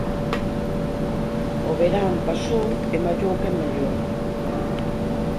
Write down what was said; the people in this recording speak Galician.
O verán pasou e mallou quen mallou